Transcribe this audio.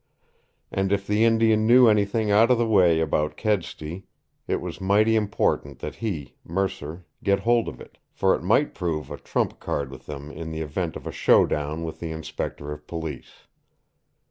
And if the Indian knew anything out of the way about Kedsty, it was mighty important that he, Mercer, get hold of it, for it might prove a trump card with them in the event of a showdown with the Inspector of Police.